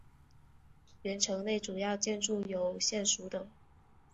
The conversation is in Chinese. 原城内主要建筑有县署等。